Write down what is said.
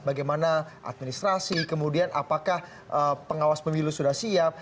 bagaimana administrasi kemudian apakah pengawas pemilu sudah siap